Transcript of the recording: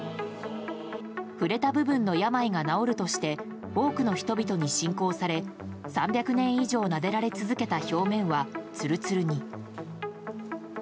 触れた部分の病が治るとして多くの人々に信仰され３００年以上撫でられ続けた表面はツルツルに。